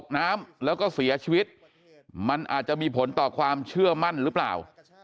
น้ำแล้วก็เสียชีวิตมันอาจจะมีผลต่อความเชื่อมั่นหรือเปล่า